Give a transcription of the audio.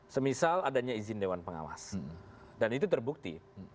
semisal adanya izin dewan pengawas dan itu terbukti